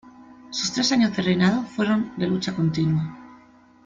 Sus tres años de reinado fueron de lucha continua.